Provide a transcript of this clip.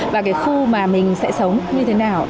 và cái khu mà mình sẽ sống như thế nào